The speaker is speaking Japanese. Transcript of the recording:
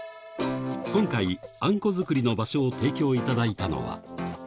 今回、あんこ作りの場所を提供いただいたのは。